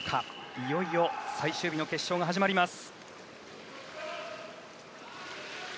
いよいよ最終日の決勝が始まります。